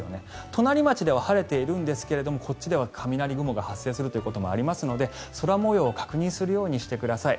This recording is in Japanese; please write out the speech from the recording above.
隣町では晴れているんですがこっちでは雷雲が発生するということもありますので空模様を確認するようにしてください。